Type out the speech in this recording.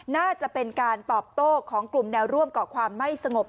น่าจะเป็นการตอบโต้ของกลุ่มแนวร่วมเกาะความไม่สงบ